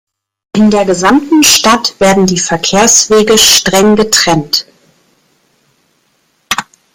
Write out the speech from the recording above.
In der gesamten Stadt werden die Verkehrswege streng getrennt.